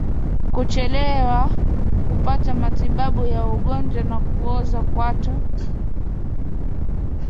Kuchelewa kupata matibabu ya ugonjwa wa kuoza kwato